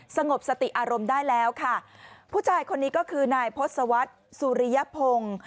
สงบสติอารมณ์ได้แล้วค่ะผู้ชายคนนี้ก็คือนายพศวรรษสุริยพงศ์